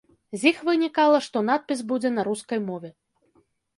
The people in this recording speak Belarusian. З іх вынікала, што надпіс будзе на рускай мове.